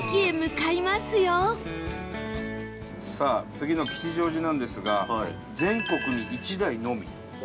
次の吉祥寺なんですが全国に１台のみ。